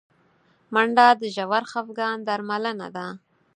منډه د ژور خفګان درملنه ده